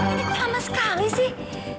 ini kok sama sekali sih